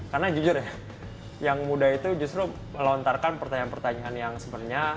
karena jujur ya yang muda itu justru melontarkan pertanyaan pertanyaan yang sebenarnya